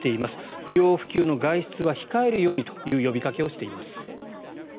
不要不急の外出は控えるようにという呼びかけをしています。